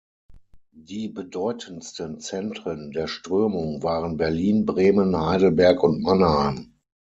Die bedeutendsten Zentren der Strömung waren Berlin, Bremen, Heidelberg und Mannheim.